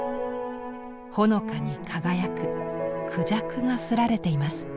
ほのかに輝く孔雀が刷られています。